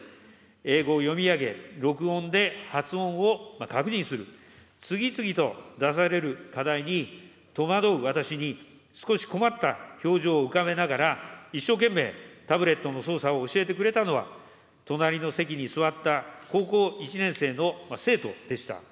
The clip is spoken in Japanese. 英語を読み上げ、録音で発音を確認する、次々と出される課題に戸惑う私に少し困った表情を浮かべながら、一生懸命タブレットの操作を教えてくれたのは、隣の席に座った高校１年生の生徒でした。